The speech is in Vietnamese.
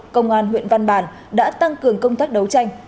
công an huyện văn bàn đã tăng cường công tác đấu tranh